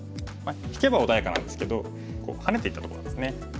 引けば穏やかなんですけどハネていったとこなんですね。